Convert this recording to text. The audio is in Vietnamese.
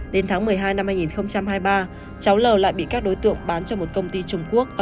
đến tháng một mươi hai năm hai nghìn hai mươi ba cháu l lại bị các đối tượng bán cho một công ty trung quốc